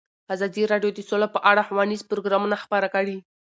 ازادي راډیو د سوله په اړه ښوونیز پروګرامونه خپاره کړي.